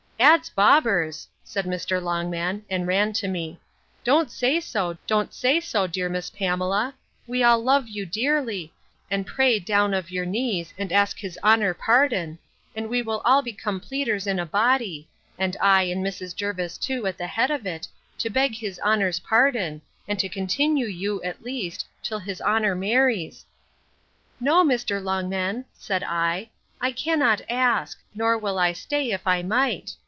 Ads bobbers! said Mr. Longman, and ran to me; don't say so, don't say so, dear Mrs. Pamela! We all love you dearly: and pray down of your knees, and ask his honour pardon, and we will all become pleaders in a body, and I, and Mrs. Jervis too, at the head of it, to beg his honour's pardon, and to continue you, at least, till his honour marries.—No, Mr. Longman, said I, I cannot ask; nor will I stay, if I might.